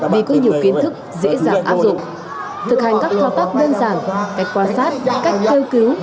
vì có nhiều kiến thức dễ dàng áp dụng thực hành các thao tác đơn giản cách quan sát cách kêu cứu